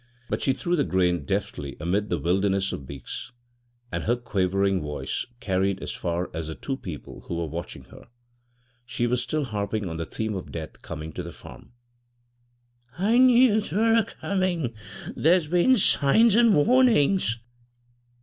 But she threw the grain deftly amid the wilderness of beaks, and her quavering voice carried as far as the two people who were watching her. She was still harping on the theme of death coming to the farm. "I knew 'twere a coming. There's been signs an' warnings."